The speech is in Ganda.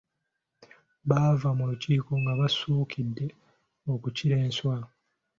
Baava mu lukiiko nga basuukidde okukira enswera.